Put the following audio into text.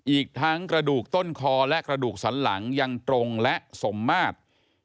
อีกทั้งกระดูกต้นคอและกระดูกสันหลังยังตรงและสมมาตร